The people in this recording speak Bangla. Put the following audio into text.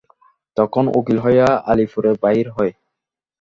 তখন উকিল হইয়া আলিপুরে বাহির হই।